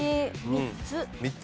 ３つ。